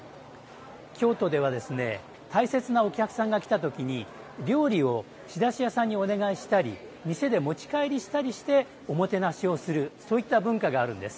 京都では大切なお客さんが来た時に料理を仕出し屋さんにお願いしたり店で持ち帰りしたりしておもてなしをするそういった文化があるんです。